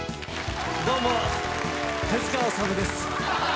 どうも手塚治虫です。